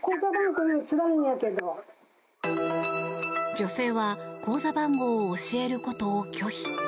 女性は口座番号を教えることを拒否。